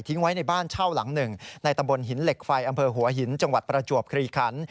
ไว้ในบ้านเช่าหลังหนึ่งในตำบลหินเหล็กไฟอำเภอหัวหินจังหวัดประจวบคลีคัน